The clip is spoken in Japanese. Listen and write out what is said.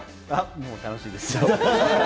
もう楽しいです。